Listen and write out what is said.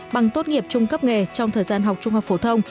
bằng tốt nghiệp trung cấp nghề trong thời gian học trung học phổ thông